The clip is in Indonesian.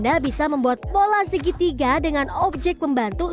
anda bisa membuat pola segitiga dengan objek pembantu